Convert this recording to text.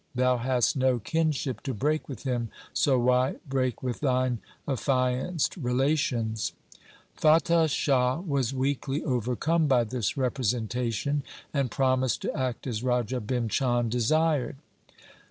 Thou hast no kinship to break with him, so why break with thine affianced rela tions ?' Fatah Shah was weakly overcome by this representation, and promised to act as Raja Bhim Chand desired.